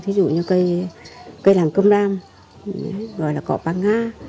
thí dụ như cây làng cơm nam gọi là cỏ băng nga